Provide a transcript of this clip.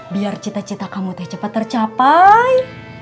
biar cita cita kamu tuh cepet tercapai